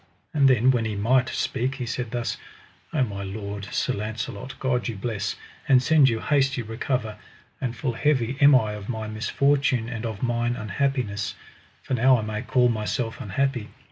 And then when he might speak he said thus: O my lord, Sir Launcelot, God you bless, and send you hasty recover; and full heavy am I of my misfortune and of mine unhappiness, for now I may call myself unhappy.